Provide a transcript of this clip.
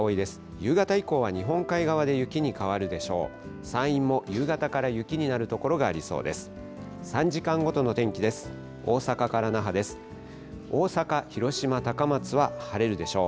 夕方以降は日本海側で雪に変わるでしょう。